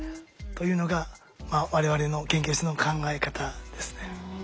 というのが我々の研究室の考え方ですね。